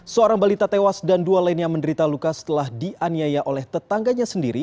seorang balita tewas dan dua lainnya menderita luka setelah dianiaya oleh tetangganya sendiri